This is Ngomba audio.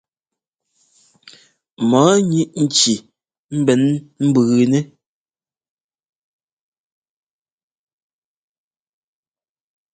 Mɔɔ ŋíʼ nci mbɛ̌n mbʉʉnɛ́.